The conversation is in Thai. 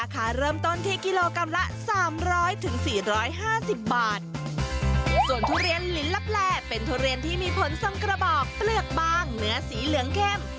เกลือบอกเปลือกบางเนื้อสีเหลืองเข้ม